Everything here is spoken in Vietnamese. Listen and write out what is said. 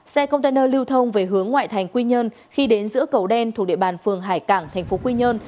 xe container lưu thông về hướng ngoại thành quy nhơn khi đến giữa cầu đen thuộc địa bàn phường hải cảng tp quy nhơn